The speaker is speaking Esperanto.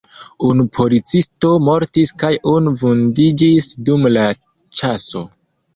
Unu policisto mortis kaj unu vundiĝis dum la ĉaso.